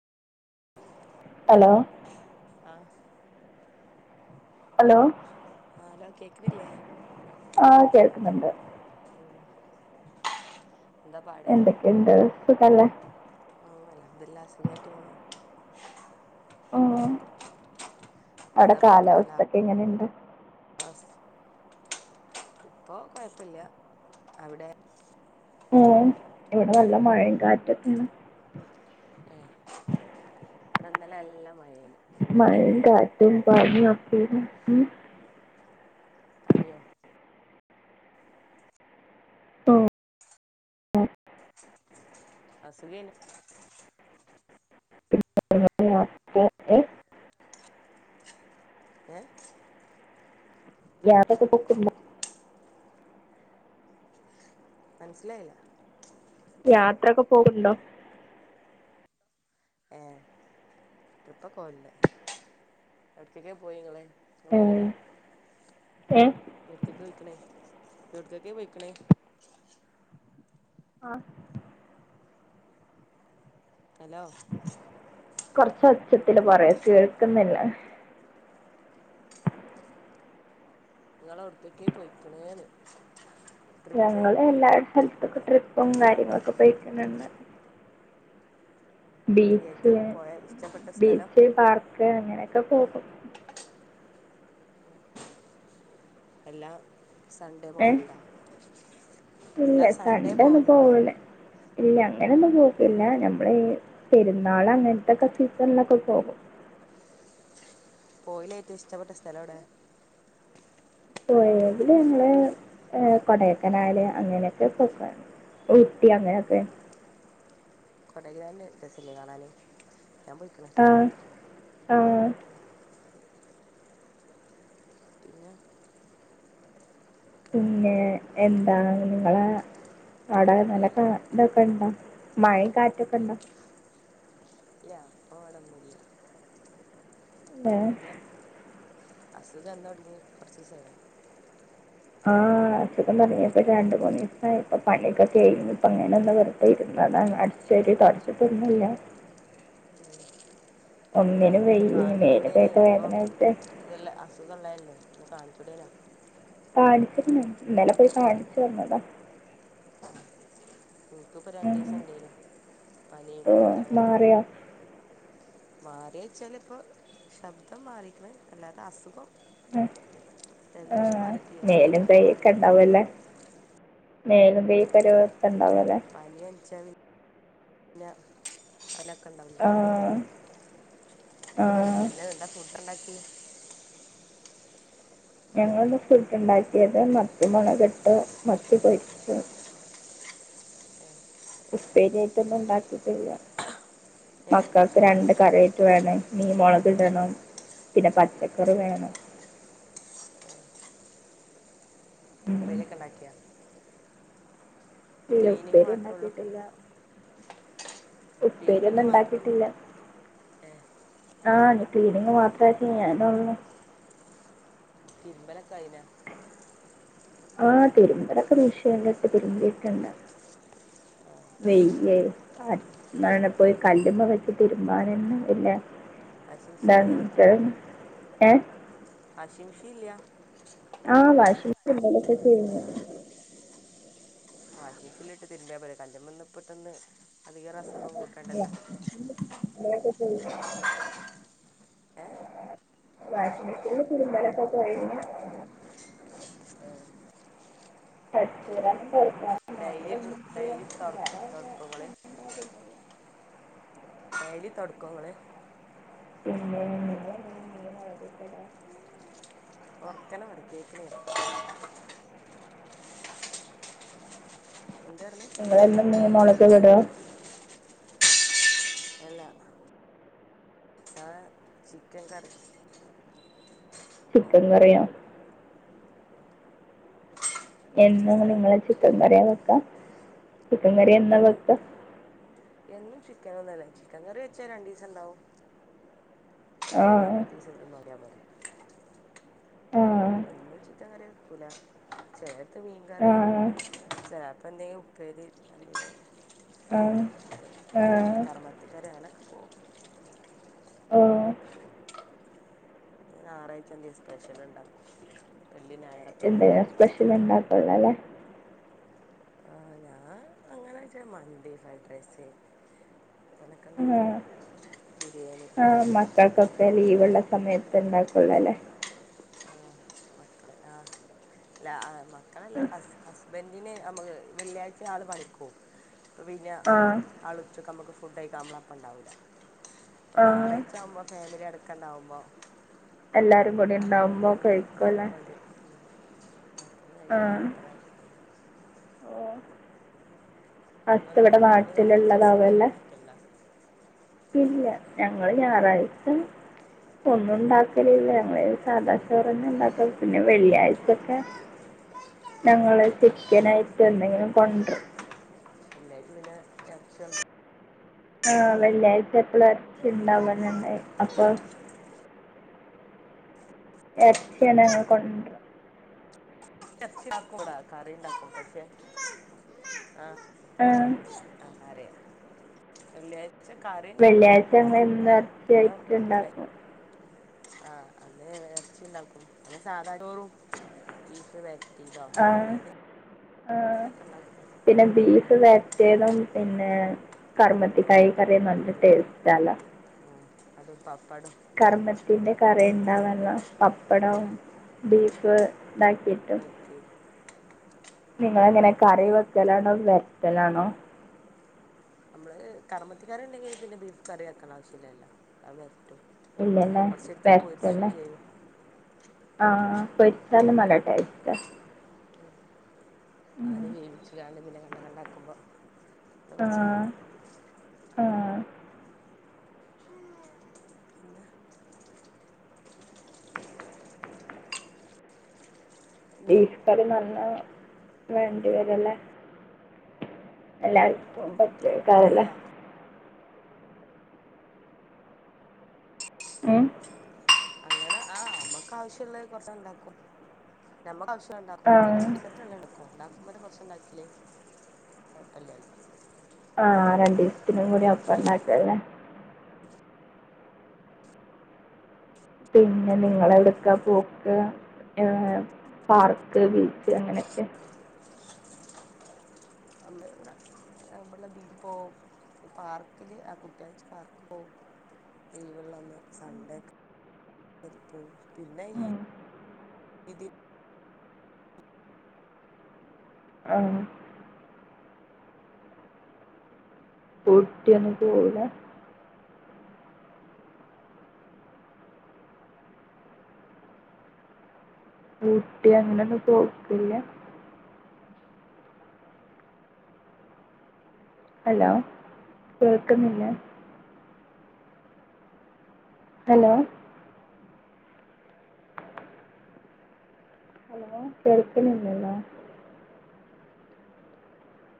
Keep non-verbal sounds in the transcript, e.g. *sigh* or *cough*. Hello ആഹ് hello ആഹ് hello കേക്കണില്ലേ ആഹ് കേൾക്കുന്നുണ്ട് ഓഹ് എന്താ പാട് എന്താ സുകല്ലേ ഓ അല്ലബ്ദുലില്ലഹ്‌ സുകായിട്ടു പോണു ഉം അവിടെ കാലാവസ്ഥൊക്കെ എങ്ങനെണ്ട് അഹ് ഇപ്പൊ കൊഴപ്പല്ല അവിടെ ഉം ഇവിടെ നല്ല മഴയും കാറ്റൊക്കെയാണ് ഏഹ് ഇവിടെന്നല് എല്ലാം മഴേണ്ട് മഴയും കാറ്റും പനിയൊക്കെയിരുനു ഉം പനിയോ ഉം. അസ്ബി എണി *inaudible* ഏഹ് ഗ്യാബൊക്കെ ബുക്ക് *unintelligible* മനസ്സിലായില്ല യാത്രക്കെ പോകുണ്ടോ ആം ട്രിപ്പൊക്കെ പോല്ലേ എവിടക്കൊക്കെ പോയെ നിങ്ങള് നിങ്ങള് പോവണ്ട ഏഹ് എവിടുകെകയാ വെക്കണെ എവിടുകെകയാ വെക്കണെ ആ ഹലോ കുറച്ച് ഒച്ചത്തില് പറെ കേൾക്കുന്നില്ല നിങ്ങള അവിടക്കൊക്കെ പൊയ്ക്ണേന്ന് ഞങ്ങള് എല്ലാ സൽത്ത്ക്കും ട്രിപ്പും കാര്യങ്ങളൊക്കെ പോയിക്കുന്നന്ന് ബീച്ച് ഏറ്റവും പോയ ഇഷ്ടപ്പെട്ട സ്ഥലം ബീച്ച് പാർക്ക് അങ്ങനൊക്കെ പോകും. ഉം എല്ലാം സൺ‌ഡേ ഏ ഓളിഡാ ഇല്ല സൺ‌ഡേന്നും പോവൂല. ഇല്ല അങ്ങനൊന്നും പോക്കില്ല. നമ്മള് ഈ പെരുന്നാള് അങ്ങൻത്തൊക്കെ സീസണിലൊക്കെ പോകും. പോയിലേറ്റവും ഇഷ്ടപ്പെട്ട സ്ഥലൗടെ. പോയതില് ഞങ്ങള് ഏ കൊടൈക്കനാല് അങ്ങനെയൊക്കെ പോക്കാണ്. ഊട്ടി അങ്ങനൊക്കെ കൊടൈക്കനാല് രസല്ലെ കാണാന്. ഞാൻ പോയിക്ക്ണ്. ആഹ് ആഹ് ട്ടില്ല പിന്നെ എന്താണ് നിങ്ങളെ അടെ ഏ നല്ലക്ക ഇതൊക്കെ ഇണ്ടോ മഴയും കാറ്റൊക്കെ ഇണ്ടോ. ഇല്ല അപ്പ ഇവിടൊന്നുല്ല ഏ പിന്നെ അസുഖം എന്ന് തൊടങ്ങി. കൊറ്ച്ചീസായോ? ആഹ് അസുഖം തുടങ്ങിയിപ്പൊ രണ്ടു മൂന്നീസായി. ഇപ്പ പണിയൊക്കെ കഴിഞ്ഞ് ഇപ്പ ഇങ്ങനെ ഒന്ന് വെറുതെ ഇരുന്നതാ അ ശെരി തൊട്ച്ചിട്ടൊന്നു ഇല്ല. ഉം അതെല്ല ഒന്നിനും വയ്യേ. മേല് കാണിച്ചൂടേന്യാെ കയ്യൊക്കെ ഇപ്പം വേദനായിട്ട് ഇതുള്ള അസുഖ ഇള്ളതല്ലേ ഒന്ന് കാണിച്ചൂടേന്നോ? കാണിച്ചിര്ന്ന്. ഇന്നലെ പോയി കാണിച്ചു വന്നതാ. ഇൻക്ക്പ്പ ഉം. രണ്ടീസം ഇണ്ടേനു. പനിയും ഓ തലവേദനയും മാറിയോ? മാറ്യാേയ്ച്ചാല് ഇപ്പം ശബ്ദം മാറിക്ക്ണ് അല്ലാതെ അസുഖം ഉം ആ ജലദോഷം മാറിയിട്ടില്ല മേലും കൈ സൗണ്ടൊക്കെ മാറി ഒക്കെ ഇണ്ടാവല്ലേ? മേലും കൈയും ഓ *unintelligible* ഉണ്ടാവല്ലെ പനി പൻച്ചാ പിന്നെ ഓലക്കെ ഇണ്ടാ *unintelligible* ആ. ആ. പിന്നെ തന്താ ഫുഡ് ഇണ്ടാക്കി? ഞങ്ങള് ഇന്ന് ഫുഡ് ഉണ്ടാക്കിയത് മത്തിമുളകിട്ടു. മത്തി പൊരിച്ചു ഉം ഉപ്പേരി അയ്റ്റൊന്നും ഇണ്ടാക്കിട്ടില്ല. ഏ മക്കൾ രണ്ട് കറി അയ്റ്റ് വേണെ. മീൻ മൊളകിടണം പിന്നെ പച്ചക്കറി വേണം. ഉം. ഉപ്പേരിയൊക്കെ ഇണ്ടാക്ക്യാ? ഇത് ക്ലീനിങ് ഉപ്പേരി മാത്ര ഒള്ളൂ? ഇല്ല ഉണ്ടാക്കിയിട്ടില്ല ഉപ്പേരി ഒന്നും ക്ലീനിങ് മാത്രമേ ഉള്ളൂ ഉണ്ടാക്കിയിട്ടില്ല. ഏ ആ ക്ലീനിങ്ങ് മാത്രമേ ചെയ്യാനൊള്ളു. തിരുമ്പലൊക്കെ അയ്ലാ? ആഹ് തിരുമ്പലൊക്കെ മിഷീൻലിട്ട് തിരുമ്പീട്ട്ണ്ട്. നെയ്യ്അ എന്ന പിന്നെ പോയി കല്ലുമ വെച്ച് തിരുമ്പാനൊന്നു പിന്നെ. വാഷിംഗ് മെഷീൻ ഇല്ല *unintelligible* ഏഹ് വാഷിംഗ് മിഷീൻ ഇല്ല. ആഹ് വാഷിംഗ് മെഷീൻലൊക്കെ *unintelligible* വാഷിംഗ് മിഷീല് ഇട്ട് തിരിമ്പിയാപോരെ. കല്ല്മന്ന്പ്പത്തന്ന് അധികം അസുഖം കൂട്ടണ്ടല്ലോ? *unintelligible* ഏഹ് വാഷിംഗ് മെഷീനില് തിര്മ്പലൊക്കെ കഴിഞ്ഞു. ആഹ് *unintelligible* ഡെയ്ലി ഡെയ്ലി തൊട് വേറെ തൊട്ക്കോങ്ങള്? ഡെയ്ലി തൊട്ക്കോ ങ്ങള്? *unintelligible* ഓർക്കനെ പറി കേക്ക്ണില്ല. എന്താ ർഞ്ഞേ? ഇങ്ങളെന്നും മീൻ മൊളകല്ലെടാ? അല്ലാ ആഹ് ചിക്കൻ കറി. ചിക്കൻ കറിയോ? കുറച്ച് എന്നും ദിവസമായി നിങ്ങള് ചിക്കൻ കറ്യാ വെക്ക. ചിക്കൻ കറിയ എൻ എന്നും ചിക്കന്നൊനല്ല. ചിക്കൻ കറി വെച്ചാ രണ്ടീസണ്ടാവും. ആ മൂന്നാമത്തീസം *unintelligible* ക്ക്യാ പോരേ ആഹ് എന്നും ചിക്കൻ കറി വെക്കൂല. ചിലേര്ത്ത് ആ മീൻകറി ചേലേപ്പെന്തെലു പ്പേരി *inaudible* ഉം കർമത്തികാര് അങ്ങനെക്കെ പോവും ഓ ഇഞ് ഞായറാഴ്ചന്തേം സ്പെഷ്യല്ണ്ടാക്കും വെള്ളി, ഞായറൊ എന്തേം സ്പെഷ്യല്ണ്ടാക്കൊല്ലൊല്ലേ. ആഹ് ഞാ അങ്ങനെച്ച മന്തി, ഫഡ്രസ്സ് അങ്ങനെക്കെണ്ടാക്കും ബിരിയാണി ആഹ് മക്കൾക്കൊക്കെ ലീവ്ള്ള സമയത്ത്ണ്ടാക്കൊല്ലോല്ലേ. ആഹ് മക്കളെ ആഹ് ല്ല ആഹ് മക്കളല്ല ഹസ് ഹസ്ബൻറിന് അമ്മക്ക് വെള്ളിയാഴ്ച ആള് പണിക്കോവും അപ്പ പിന്നെ ആ ആള് ഉച്ചക്കമ്മക്ക് ഫുഡഴിക്കാം അമ്മളപ്പണ്ടാവൂല്ല. അപ്പ ആ ഞായറഴ്ച്ചാവുമ്പോ ഫാമില്യടക്കണ്ടാവുമ്പോ എല്ലാരും കൂടി ഉണ്ടാവുമ്പോ ആഹ് അപ്പോ കഴിക്കുമല്ലേ ഒരു ഉം ഉം ഒപ്പൊന്ന് ആ കഴിക്ക അത്രേ ഓ ഹസ്സ് ഇങ്ങളോ ഇവിടെ ഇങ്ങള് ഞായറാഴ്ച നാട്ടിലുള്ളതാവല്ലേ സ്പെഷ്യല്ണ്ടാക്കല്ണ്ട? ഇല്ല ഞങ്ങള് ഞായറാഴ്ച ഒന്നുണ്ടാക്കലില്ല ഞങ്ങള് സാധാ ചോറെന്നെണ്ടാക്കല് പിന്നെ വെള്ളിയാഴ്ചൊക്കെ വെള്ളിയാഴ്ച ഞങ്ങൾ ചിക്കനായിട്ട് എന്തെങ്കിലും കൊണ്ട്രും. വെള്ളിയാഴ്ച്ച പിന്നെ എർച്ചി ആഹ് വെള്ളിയാഴ്ച എപ്പളും എർച്ചിണ്ടാ *unintelligible* അപ്പൊ എർച്ച്യന്നെ ഞങ്ങള് കൊണ്ട്രും. എർച്ചിണ്ടാ *unintelligible* കറിണ്ടാക്കും പക്ഷെ ആഹ് അ *unintelligible* വെള്ളിയാഴ് ച്ച കറി ണ്ടാക്കും വെള്ളിയാഴ്ച ഞങ്ങൾ എന്നും പിന്നെ ഇറച്ചിയായിട്ട് പെ ഉണ്ടാക്കും ആഹ് അന്ന് എർച്ചി ണ്ടാക്കും പിന്നെ സാധാരണ ചോറും ബീഫ് വെര് ആ *unintelligible* ആ എന്തേലെക്കെ ഇണ്ടാക്കും പിന്നെ ബീഫ് വര്ട്ടിയതും പിന്നെ കറുമത്തിക്കായ് കറി ടേസ്റ്റ ആല ആ അതും പപ്പടും കർമ്മത്തിന്റെ കറി ഇണ്ടാവല്ലോ പപ്പടം ബീഫ് ഇണ്ടാക്കിട്ടും വരട്ടിയതും ആഹ് നിങ്ങളങ്ങനെ അതൊക്കെ കറി വെ വെക്കലാണോ വര്ട്ടലാണോ നമ്മള് കർമത്തി കറി ഉണ്ടെങ്കി പിന്നെ ബീഫ് കറി വെക്കണ്ട ആവശ്യല്ലല്ലോ അത് വര്ട്ടും ഇല്ലല്ലേ കൊർച്ച് ഇട്ത്ത് പൊര്ച്ചും വരട്ടല്ലേ ചെയ്യും ആ പൊര്ചാലും നല്ല ടെസ്റ്റ ഉം ആദ്യം വേവിച്കാണ്ട് പിന്നെ കണ്ടം കണ്ടാക്കുമ്പോ പിന്നെ ആ പോര്ച്ചാ മതി ആ പിന്നെ ബീഫ് കറി നല്ല വേണ്ടിവരല്ലേ എല്ലാർക്കും പ ഇല്ലാ ക് ഉം അങ്ങന ആ നമ്മക്ക് ആവശ്യള്ള കൊർചാണ്ട് ഇണ്ടാക്കും നമ്മക്ക് ആവശ്യം ആ ഇണ്ടാക്കും രണ്ടീസ എടുക്കും ഇണ്ടാക്കുമ്പാണ്ട് കൊർച്ണ്ടാക്കില്ലേ കോഴപ്പല്ല ആ രണ്ടീസ്ത്തിനും കൂടി ഒപ്പം ഇണ്ടാക്കല്ലേ പിന്നെ നിങ്ങള് എവ്ട്ക്കാ പോ ഉം ക്ക് ഏ പാർക്ക് ബീച്ച് അങ്ങനെക്കെ നമ്മടെ ഇവടെ *unintelligible* പൊ പാർക്കില് ആ കുട്ടിയാഴ്ച പാർക്ക് പോവും ലീവ്ള്ള അന്ന് സണ്ടേ ഒക്കെ പോവും പിന്നെ ഈ ഉം. ആ ഊട്ടിയൊന്നും പോവൂല ഊട്ടി അങ്ങന ഒന്നും പോക്കില്ല ഹലോ കേൾക്കുന്നില്ലേ ഹലോ ഹലോ കേൾക്കുന്നില്ലല്ലോ